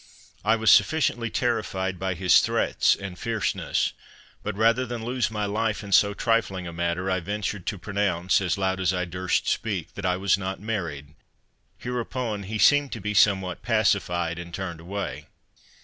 I was sufficiently terrified by his threats and fierceness, but rather than lose my life in so trifling a matter, I ventured to pronounce, as loud as I durst speak, that I was not married. Hereupon he seemed to be somewhat pacified, and turned away.